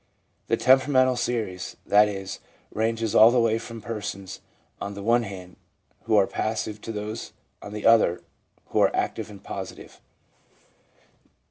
This temperamental series, that is, ranges all the way from persons, on the one hand, who are passive, to those, on the other, who are active and positive.